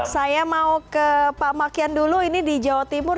saya mau ke pak makian dulu ini di jawa timur